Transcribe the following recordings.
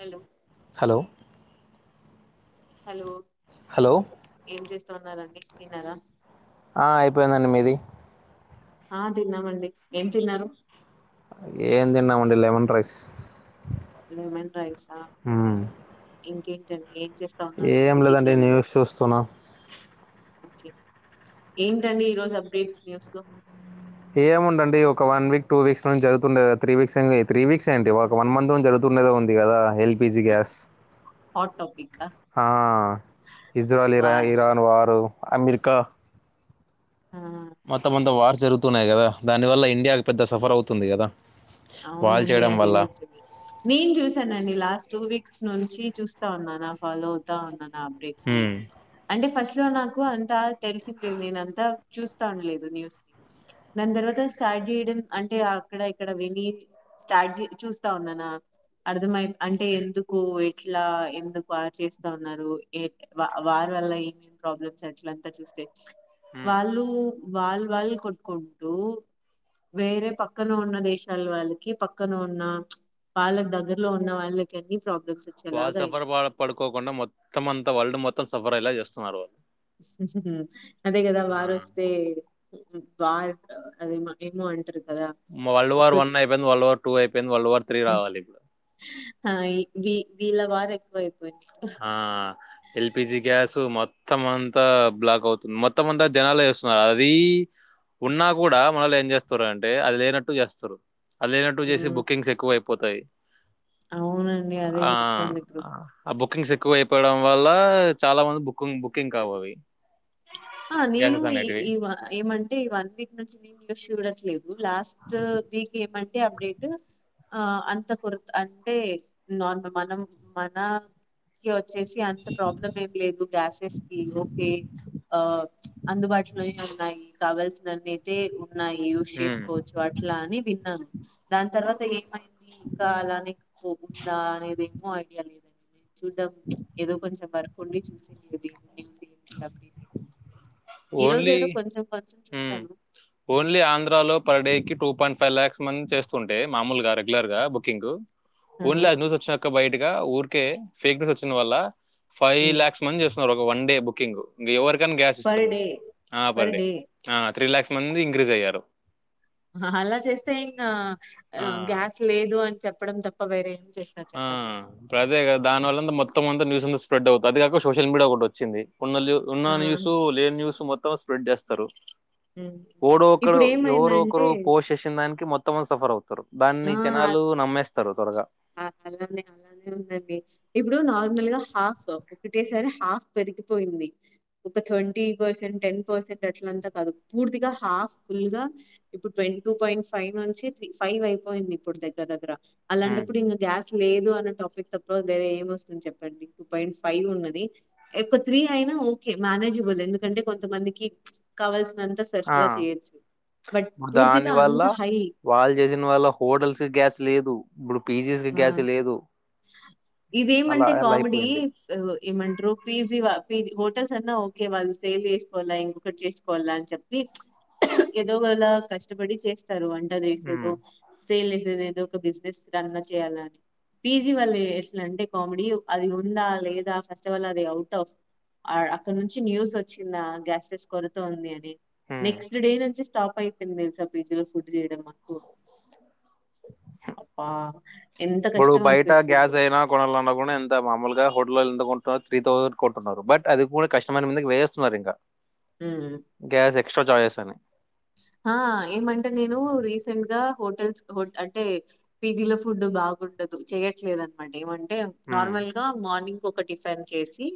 Hello hello hello hello ఏం చేస్తా ఉన్నండి తిన్నారా ఆ, అయిపోయిందండి మీది ఆహ్ తిన్నామండి, ఏం తిన్నారు ఏం తిన్నామండి లెమన్ రైస్ లెమన్ రైసా ఇంకేటండి ఏం లెదండి న్యూస్ చూస్తున్నా ఓకే ఏంటండి ఈరోజు అప్డేట్స్ న్యూస్ లో ఏము ఉండండి ఒక వన్ వీక్ టూ వీక్స్ నుంచి జరుగుతుందే త్ర వీక్సెంది త్రీ వీక్స్ ఏంటి ఒక వన్ మంత్ నుంచి జరుగుతుంది ఉన్నదే ఉంది కదా ఎల్పిజీ గ్యాస్ హాట్ టాపికా ఆహ్ ఇజ్రాయల్ ఇరా వార్ ఇరాన్ వారు అమ్రికా ఆ మొత్తంమంత వార్ జరుగుతున్నాయి కదా దాని వల్ల ఇండియాకి పెద్ద సఫరవుతుంది కదా వాళ్ళు అవ్నండి చేయడం అది వల్ల నిజమే నేను చూసానండి లాస్ట్ టూ వీక్స్ నుంచి చూస్తా ఉన్నానా ఫాలో అవ్తా ఉన్నానా అప్డేట్స్ ని ఉమ్. అంటే ఫస్ట్ ఇలా నాకు అంతా తెలిసిలేదు నేనంతా చూస్తాను లేదు న్యూస్ ని దాని తర్వాత స్టార్ట్చేయడం అంటే అక్కడ ఇక్కడ విన్ మీ స్ట్రాట్జి చూస్తా ఉన్నానా అర్థమై అంటే ఎందుకు ఎట్లా ఎందుకు వారు చేస్తా ఉన్నారు ఎ వా-వారు వల్ల ఏమేం ప్రాబ్లమ్స్ అట్లంతా చూస్తే వాళ్ళు వాల్వాల్ కొట్కుంటూ వేరే పక్కన ఉన్న దేశ వాళ్వాళ్ళకి పక్కన ఉన్న వాళ్ళకు దగ్గరలో ఉన్న వాళ్ళకి అని వాళ్ళు సఫర్ ప పడుకోకుండా మొత్తం అంతా వరల్డ్ మొత్తం సఫరైయేలా చేస్తున్నారు అదే కదా వాళ్ళు వారోస్తే వార్ అదే ఏమోం అంటరు వరల్డ్ వార్ వన్ అయిపోయింది వరల్డ్ వార్ టూ అయిపోయింది వరల్డ్ వార్ త్రీ రావాలి ఇప్పుడు ఆ ఈ వీ వీళ్ళ బాదేక్కువయిపోయింది ఆహ్ ఎల్పిజి గ్యాసు మ మొత్తమంతా బ్లాక్ అవుతుంది మొత్తం అంతా జనాలు ఎస్తున్నారు అది ఉన్నా కూడా మళ్ళేం చేస్తారు అంటే అది లేనట్టు చేస్తురు అది లేనట్టు చేతే బుకింగ్స్ ఎక్కువైపోతాయి అవునండి అదే జరుగుతుంది ఇప్పుడు ఆహ్ ఆ బుకింగ్స్ ఎక్కువైపోవడం వల్ల చాలా మంది బుకుంగ్ బుకింగ్ కావవి ఆ నేను గ్యాసెస్ ఈ అనేటివి ఈ ఏమంటే ఈ వన్ వీక్ నుంచి న్యూస్ చూడట్లేదు లాస్టూ వీక్ ఏమంటే అప్డేటు ఆహ్ అంత కుర్ అంటే నార్మ మనం మన ఓచ్చేసి అంత ప్రాబ్లం ఏం లేదు గ్యాసెస్ కి ఓకే అందుబాటులోనే ఉన్నాయి కావల్సినన్నైతే ఉన్నాయి యూస్ చేసుకోవచ్చు అట్లా అని విన్నాను దాన్తర్వాత ఏమై ఇది ఇంకా అలానే పోతుందా అనేది ఏమో ఐడియా లేదండి చూద్దాం ఏదో కొంచెం వర్కండి చూసిం అది న్యూస్ ఏంటి అప్డేటెంటి ఓన్లీ కొంచెం ఉహ్ చూసాను. హ్మ్. ఓన్లీ ఆంధ్రాలో పర్డేకి టూ పాయింట్ ఫైవ్ లాక్స్ చేస్తుంటే మామూలుగా రెగ్యులర్ గా బుకింగు ఆహా! ఓన్లీ అ న్యూస్ ఓచ్చినా బయట ఊర్కే ఫేక్ న్యూస్ వచ్చినవల్ల ఫైవ్ హ్మ్. లాక్స్ మంది చేస్తున్నారు ఒక వన్ డే బుక్ బుకింగు ఇగా ఎవరు కాని గ్యాస్ పర్ ఇస్తాడు డే. అహ పర్ డే ఆ త్రీ లాక్స్ మంది ఇంక్రీజ్ అయ్యారు హ అలా చేస్తే ఇంకా ఆ గ్యాస్ లేదు అని చెప్పడం తప్ప వేరే చేస్తారు ఆ చెప్పండి? ఇప్పుడు అదే గా దాన్వల్ల మొత్తమంతా న్యూస్ అంతా స్ప్రెడ్ అవుతుంది అది కాక సోషల్ మీడియా ఒకటోచ్చింది ఉన్ననూ ఉన్న ఆ! న్యూస్ లేని న్యూస్ మొత్తం స్ప్రెడ్ చేస్తారు హ్మ్. ఓడో ఒకరు ఎవరో ఇప్పుడేమైందంటే ఒకరు పోష్ చేసిన్దానికి మొత్తం అంత సఫర్ అవుతుంది దాన్ని జనాలూ నమ్మేస్తారు త్వరగా అ అలనే అలానే ఉందండి ఇప్పుడు నార్మల్గా హాఫ్ ఒకటేసారి హాఫ్ పెరిగిపోయి ఉంది ఒక ట్వంటీ పర్సెంట్ టెన్ పర్సెంట్ అట్లంతాకాదు పూర్తిగా హాఫ్ ఫుల్ గా ఇప్పుడు ట్వేంటీ టూ పాయింట్ ఫైవ్ నుంచి త్రీ ఫైవ్ అయిపోయింది ఇప్పుడు దగ్గర్ దగ్గర హ్మ్. అలాంటప్పుడు ఇంగ గ్యాస్ లేదు అన్న టాపిక్ తప్ప వేరే ఏం వస్తుంది చెప్పండి టూ పాయింట్ ఫైవ్ ఉన్నది ఎక్కువ త్రీ అయినా ఓకే మేనేజబుల్ ఎందుకంటే అంటే కొంతమందికి కావాల్సినంతా ఆ సరఫరా చేయొచ్చు బట్ ఇప్పుడు పూర్తిగా దాని వల్ల అంత హై. వాళ్ళు చేసిన వాళ్ళ హోటల్స్కి గ్యాస్ లేదు డిజిల్ ఆ! గ్యాస్ లేదు అలా ఇదేమంటే అలా కామిడీ అయిపోయింది ఏమంటరు పీజీవా హోటల్స్ అన్నా ఓకే వాళ్ళు సేల్ చేసుకోవాలా ఇంకొకటి చేసుకోవాలా అని చెప్పి ఏదోగలా కష్టపడి చే తరు వంట చేసిదో ఉమ్, సేల్ చేసేదో ఏదో ఒక బిజినెస్ రన్నా చేయాల పీజీ వాళ్లు ఏసలా అంటే కామెడీ అది ఉందా లేదా ఫస్ట్ ఆఫల్ అది అవుట్ ఆఫ్ ఆడ అక్కడ నుంచి న్యూస్ వచ్చిందా గ్యాసెస్ కొరుత ఉంది అని ఉమ్. నెక్స్ట్ డే నుంచి స్టాప్ అయిపోయింది తెలుసా పిజీలో ఫుడ్ చేయడం మాకు అప్పా ఇప్పుడు బయట గ్యాస్ అయినా కొనాలన్న కూడా ఎంత మామూలుగా హోటాళ్లలో ఎంత కొంటు త్రీ థౌజండ్ కొంటున్నారు బట్ అది కూడా కస్టమర్ మీదకి వేసేస్తున్నారు ఇంకా హ్మ్. గ్యాస్ ఎక్సట్రాచార్జెస్ అన్ని బ్లాంక్ ఆ ఏమంటే నేను రీసెంట్ గా హోటల్స్ అంటే పీజీ లో ఫుడ్ బాగు డదు చేయట్లేదనమాట ఏమంటే ఉమ్, నార్మల్ గా మార్నింగ్కి ఒక టిఫెన్ చేసి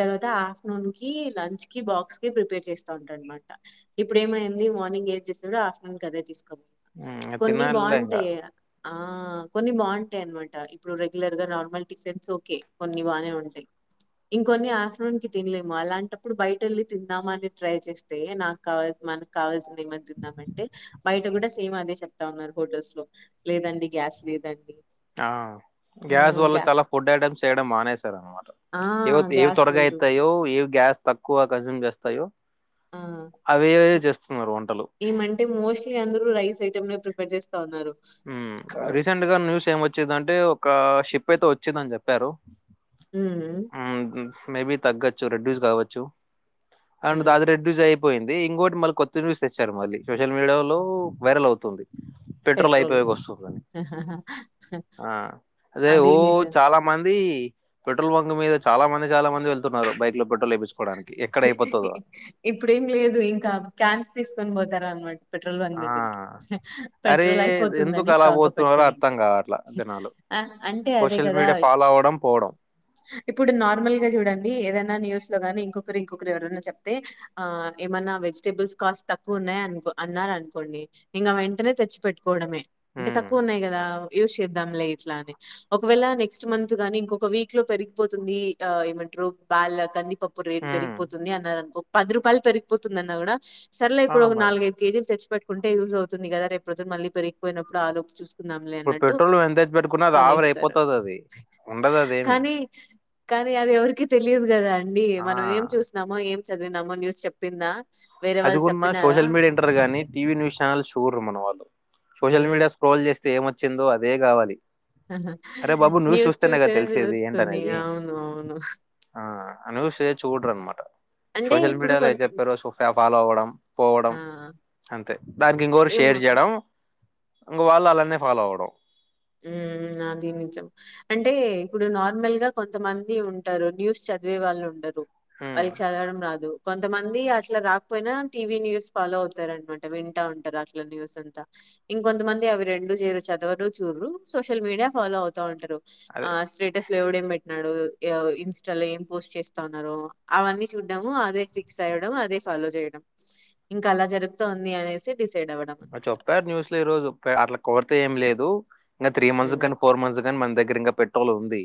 తర్వాత ఆఫ్టర్నూన్ కి లంచ్ కి బాక్స్ కి ప్రిపేర్ చేస్తాఉంటా అనమాట ఇప్పుడు ఏమైం ది మార్నింగ్ ఏది చేస్తదో ఆఫ్టేర్నూన్ కి కదే జేస్త తినాలేఇంగా ఆ! కొన్ని బాగుంటాయి అనమాట ఇప్పుడు రెగ్యులర్ గా నార్మల్ టిఫిన్స్ ఓకే కొన్ని బానే ఉంటాయి ఇంకొన్ని ఆఫ్టర్నూన్ కి తినలేము అలాంటప్పుడు బయటెళ్ళి తిందామనిట్రై చేస్తే నాకు కా మన కావాల్సింది ఏమ తిందాం అంటే బయట కూడా సేమ్ అదే చెప్తా ఉన్నారు హోటల్స్ లో లేదండి గ్యాస్ లేదండి ఆ గ్యాస్ ఆహ్, వల్ల గ్యా చాలా ఫుడ్ ఐటమ్స్ చేయడం మానేసారు అనమాట ఆ! ఏవ ఏవి గ్యాస్ త్వరగా లేదు. అయితాయో ఏవి గ్యాస్ తక్కువ కన్సూమ్ చేస్తాయో ఆ! అవే హ్మ్. చేస్తున్నరు వంటలు ప్పుడు రైస్ఐటమనే ప్రీపేర్ చే ఉమ్ రీసెంట్ గా న్యూస్ ఏం వచ్చిదింటే ఒక షిప్ అయితే వచ్చిందని చెప్పారు హ్మ్. ఆ మేబి తగ్గచ్చు రెడ్యూస్ కావచ్చు అండ్ హ్మ్. దాది రెడ్యూజయి పోయింది ఇంగోటి మళ్ళీ కొత్త న్యూస్ తెచ్చారు మళ్ళీ సోషల్ మీడియా లో వైరల్ అవుతుంది పెట్రోల్ అయిపోయకవస్తుంది అని ఆ అదే అది ఓ నిజం. చాల మం ది పెట్రోల్ బంక్ల మీద చాలా మంది చాలా మంది వెళ్తున్నారు బైక్ల పెట్రోల్ ఎపించు ఇప్పుడేం లేదు ఇంకా క్యాన్స్ తీసుకొని పోతారనమా పెట్రోల్ బంక్ ఆ! దగ్గరికి అరే! పెట్రోల్ ఎందుకు అయిపోతుందని అలా స్టాక్ గా పోతున్నారో అర్థం పెట్టుకోనింకి గావట్ల జనాలు. అ అంటే అదే సోషల్ కదా మీడియా ఫాలో అవ్వడం, పోవడం. ఇప్పుడు నార్మల్గా చూడండి ఏదైనా న్యూస్ లో కాని ఇంకొ కరు ఇంకుకరి ఎవరన్నా చెప్తే ఆ ఏమన్నా వెజిటెబుల్స్ కాస్ట్ తక్కువ ఉన్నాయను కో అన్నారు అనుకోండి ఇంకా వెంటనే తెచ్చి పెట్టుకోవడమే అంటే హ్మ్. తక్కువ ఉన్నాయి కదా యూజ్ చేద్దాంలే ఇట్లా అని ఒక వేళ నెక్స్ట్ మంత్ గాని ఇంకొక వీక్ లో పెరిగిపోతుంది ఆ ఏమంటారు బాల్ కందిపప్పు రే హ్మ్. పెరిగిపోతుంది అన్నారునుకో పది రూపాయలు పెరిగిపోతుంది అన్నా కూడా సరలే ఆ! ఇప్పుడు ఒక మరి. నాలుగైదు కేజీలు తెచ్చిపెట్ కుంటే యూస్ అవుతుందిగ రేపు పొద్దన మళ్ళి పెరిగిపోయినప్పుడు ఆప్ కుందంలే ఇప్పుడు అన్నట్టు పెట్రోల్ ఎంత తెచ్చి పెట్టుకున్నా అది ఆవిరి కొనేస్తరు అయిపోతది అది ఉండదు అదేమి కానీ కానీ అది ఎవరికిీ తెలియదు కదా అండి ఆ మనం ఏం చూసినామో ఏం చదివినామో న్యూస్ చెప్పిందా వేరే వాళ్ళు అదిగున్న చెప్పినారా? సోషల్ మీడియా ఇంటర్ గానీ అంతే. టీవీ న్యూస్ ఛానల్ చూడ్రు మన వాళ్లు సోషల్ హ్మ్. మీడియా స్క్రోల్ చేస్తే ఏమొచ్చిందో అదే కావాలి ఆహా అరే బాబు న్యూస్ చూస్తేనే కదా చూస్తనే తెలిసేది తెలుస్తుంది ఏంటనేది ఆవును అవును ఆ న్యూసే చూడరు అనమాట అంటే సోషల్ ఇప్పుడు మీడియాలో కొన్ ఏం చెప్పారో సో ఫాలో అవ్వడం పోవడం ఆ! అంతే దానికి ఇంకొరు షేర్ ఏమో చేయడం వాళ్లు అలానే ఫాలో అవడం ఉమ్ అది నిజం అంటే ఇప్పుడు నార్మల్ గా కొంతమంది ఉంటారు న్యూస్ చ చదివే వాళ్ళు ఉండరు ఉమ్ వాళ్లకి చదవడం రాదు కొంతమంది అట్లా రాకపోయినా టీవీ న్యూస్ ఫాలో అవుతారు అనమాట వింటా ఉంటారు అట్ల న్యూస్ అంతా ఇంకొంతమంది అవి రెండు చేయరు చదవరు చూడ్రు సోషల్ మీడియా ఫాలో అవుతా ఉంటరు అదే ఆ స్టేటస్ ఎవడేం ఏం పెట్టిడు ఇన్స్టాలో ఏం పోస్ట్ చేస్తాన్నారో అవన్నీ చూడ్డము అదే ఫిక్స్ అయ అదే ఫాలో చేయడం ఇంకా అలా జరుతంది అనేసి డిసైడ్ అవ్వడం అనమాట. చెప్పారు న్యూస్ లో ఈ రోజు అట్లా కొరత ఏం లేదు ఇంక త్రీ మంత్స్ హ్మ్. కానీ ఫోర్ మంత్స్ కానీ మన దగ్గర ఇంకా పెట్రోల్ ఉంది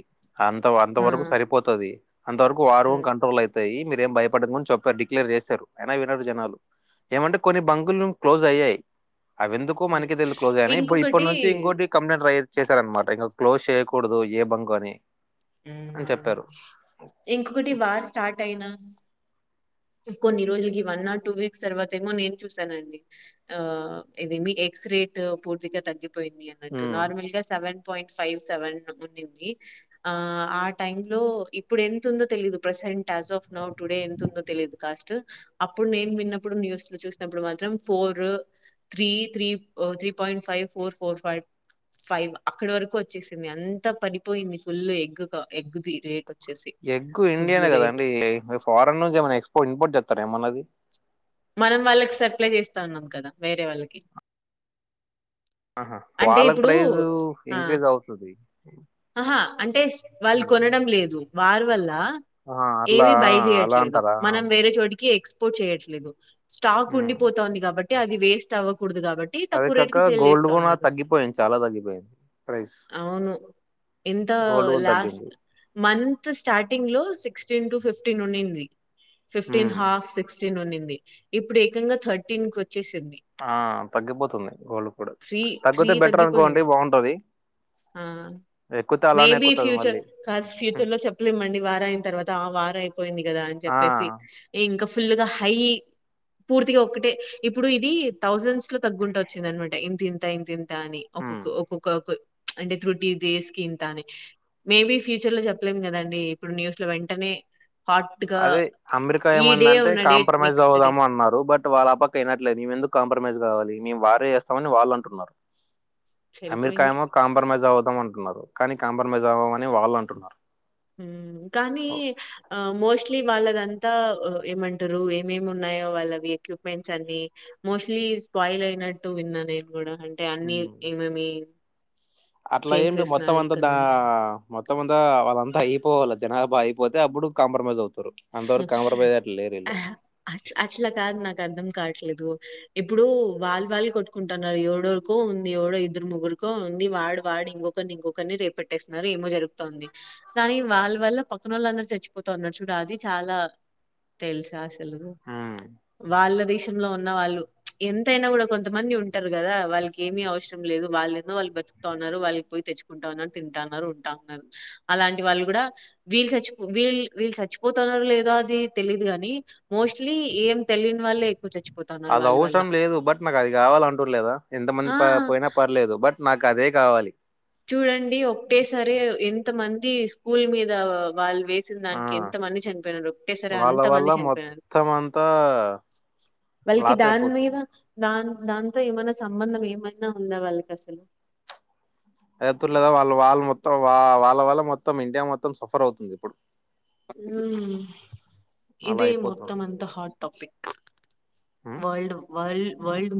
అంత వంత ఆ! వరకు సరిపోతది అంత వరకు వారం హ్మ్. కంట్రోల్ అయితాయి మీ ఏం భయపడకుని చెప్పరు డిక్లేర్ చేశారు. అయినా వినరు జనాలు ఏమంటే కొన్ని బంకులు క్లోజ్ అయ్యాయి అవి ఎందుకో హ్మ్. మనకి తెలిద్ క్లోజ్ అని ఇప్పు ఇంకొకటి ఇప్పటి నుంచి ఇంకోటి కంప్లైట్ రైజ్ చేశర అన్మట ఇంగ క్లోజ్ కుడదు ఏ బంక్ అని అని చెప్పారు. ఇంకొకటి వార్ స్టార్ట్ అయినా కొన్ని రోజులకి వన్ ఆర్ టూ వీక్స్ తర్వాత ఏమో నేను చూసానండి ఆ ఇదేమి ఎగ్సు రేట్ పూర్తిగా తగ్గిపోయింది అన్నట్టు హ్మ్. నార్మల్ గా సెవెన్ పాయింట్ ఫైవ్ సెవెన్ వునింది ఆ ఆ టైం లో ఇప్పుడు ఎంత ఉందో తెలిదు ప్ర టాస్ఫ్ నౌ టుడే ఎంత ఉందో తెలిదు కాస్ట్ అప్పుడు నేను విన్నప్పుడు న్యూస్ లో చూసినప్పుడు మాత్రం four three three three point five four four five five అక్కడ వరకు వచ్చేసింది అంత పడిపోయింది full egg egg the rate వచ్చేసి ఎగ్గు ఇండియానే గుడ్లు కదా రేట్ అండి మరి ఫారెన్ నుంచి ఏమైనా ఎక్స్పోర్ట్ ఇంపోర్ట్ చేస్తారా ఏమన్నది మనం వాళ్ళకి సప్లై చేస్తా అన్నం కదా వేరే వాళ్ళకి ఆహా అంటే వాళ్ళకి ఇప్పుడు ప్రైజు ఆ ఇంక్రీజ్ అవుతది ఆహా అంటే వాళ్ళు హ్మ్. కొనడం లేదు వార్ వల్ల ఆహా! అట్లా ఏవి బై అలా చేయట్లేదు అంటారా? మనం వేరే చోటికి ఎక్స్ పోట్ చేయట్లేదు స్టాక్ హ్మ్. ఉండిపోతోంది కాబట్టి అది వేస్ట్ అవ్వ కుడదు కాబట్టి అదే తక్కువ రేటు కాక కి సేల్ గోల్డ్ చేస్తా గూనా ఉన్నాన్ తగ్గిపోయింది చాలా తగ్గిపోయింది ప్రైస్ అవును. ఎంత గోల్డ్ గూనా లాస్ తగ్గింది. మ్ మంత్ స్టార్టింగ్ లో సిక్స్టీన్ టు ఫిఫ్టీన్ ఉండింది ఫిఫ్టీన్ హ్మ్. హాఫ్ సిక్స్ టీన్ ఉండింది ఇప్పుడు ఏకంగా థర్టీన్ కొచే ఆ తగ్గిపోతుంది గోల్డ్ కూడా తగ్గితే బెటర్ అనుకోండి తగ్గిపోయింది. బాగుంటది ఆ మేబి ఎక్కుతది ఫ్యూచర్ మళ్ళీ. కా హ్మ్. ఫ్యూచర్ లో చెప్పలేమండి వార్ అయిన తర్వాత ఆ వార్ అయిపోయింది కదా అని ఆ! చెప్పి వచ్చేసి ఇంకా ఫుల్గా హై పూర్తిగా ఒక్కటే ఇప్పుడు ఇది థౌసండ్స్ లో తగ్గుండొచు అనమాట ఇంతంత ఇంతంత ఇంతని ఒక్కొక్క హ్మ్. ఒక్కొక్క అంటే త్రుటి డేస్ కి ఇంత అని మయ్బె ఫ్యూచర్ లో చెప్పలేం కదండి ఇప్పుడు న్యూస్ లో వెంటనే హాట్‌గా అదే అమెరికా ఈ డే ఏమందంటే ఉన్న డే కాంప్రమైజ్ నెక్స్ట్ డే అవుదాము అన్నారు బట్ వాళ్ళ అ పక్కయినట్లేదు ఎందుకు కాంప్ర మేజ్ కావాలి మేము వారే చేస్తామని వాళ్ళు అంటున్నరు అమెరికా సరిపోయింది. ఏమో కాంప్రమైజ్ అవుదాం అంట న్నారు కానీ కాంప్రమైజ్ అవ్వం అని వాళ్ళు అంటున్నారు కానీ ఆ మోస్ట్ స్ట్లీ వాళ్ళదంతా ఏమంటారు ఏమేమి ఉన్నాయో వాళ్ళవి ఎక్విప్మెంట్స్ అన్ని మోస్ట్లీ ఈ స్పాయిలయినట్టు విన్నా నేన్ గుడా అంటే అన్ని హ్మ్. ఏమేమి అట్లా ఏం లేవ్ మొత్తం చేసేస్తున్నారు అంతా ఇక్కడి దా నుంచి. మొత్ తవ్ వంత వాళ్ళంత అయిపోవాల జనాభా అయిపోతే అప్పుడు కాంబ్ర మైజ్ అవ్ అ అట్లా కాదు నాకు అర్ధం కావట్లేదు ఇప్పుడు వాళ్ళ వాళ్ళ కొట్టుకుంటున్నారు ఏవడోరికో ఉంది ఎవడో ఇద్దరు ముగ్గురుకో ఉంది వాడు వాడు ఇంకాఒకరినిక ఇంకాఒకరిని రేప పెట్టేస్తున్నారు ఏమో జరుగుతుంది కానీ వాళ్ళ వల్ల పక్కన వాళ్ళ అందరు చచ్చిపోతంది ఉన్న చుడ అది చాలా తెల్ స అసలు హ్మ్. వాళ్ళ దిష్ టీమ్ లో ఉన్న వాళ్ళు చ్ ఎంతైనా కూడా కొంతమంది ఉంటార్ గదా వాళ్ కేమీ అవ్ శ్రమ్ లేదు వాళ్ళు ఏందో వాళ్ళు బత్ తోన్నరు వాళీ క్ పోయి తెచ్చుకుంటా ఉన్నార్ తింటా నరు ఉంటా ఉన్నారు అలాంటి వాళ్ళు గుడా వీళ్ళు చచ్ పో వీల్ వీల్ సచ్ ప్ పోతన్నారు లేదో అది తెలీదు గాని మొస్టు ట్లి ఏం తెల్ యన్ వాళ్ళే ఎక్కు చచ్చి పో ఆల్ అవ్ స్రమ్ లేదు బట్ నాకు అది కావాల అంటుర్ లేదా ఆ! ఎంతమంది పై పోయినా పర్ లేదు బట్ నాక్ అదే గావాలి చూడండి ఒకేసరి ఎంత మంది స్కూల్ మీద వాళ్ వేసిన్ దాన్ ఆ! కి ఎంత మంది చన్ పేయినరో ఒకే సార్ వాళ్ళ అంత వల్ల మంది చన్ పేయినర్ మొత్తం అంతా వాల్ కి లాస్ దాన్ మీద అయిపోతుంది. దాన్ దాంతో ఏమనా సంబంధం ఏమైనా ఉందా వాల్ కి అసలు ఎపుర్ లేదా వాళ్ వాళ్ మొత్తం వా వాళ్ళ వల్ల మొత్తం ఇండియా మొత్తం సఫర్ అవుతుంది ఇప్పుడు ఉమ్ అలా ఇదే మొత్తం అయిపోతుంది. అంత హాట్ టాపిక్ హ్మ్. వల్ డు వల్ వల్డ్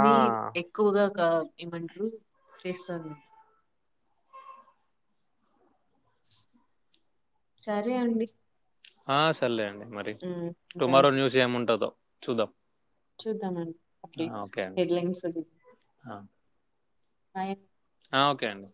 ఆ! ఎక్కువ్ గా కా బ్ ఏమంట్రూ ఎస్తంది చరే అండి ఆ సర్ లేే అండి మరి హ్మ్ టుమారో న్యూస్ ఎమ్ ఉంటదో చూద్దాం చూద్దామన్ ఆ! డేట్స్ ఓకే అండి. హెడ్ లైన్స్ సజివ్ ఆ! బయ్ అన్ ఆ ఓకే అండి